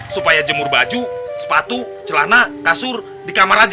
supaya jemur baju sepatu celana kasur di kamar aja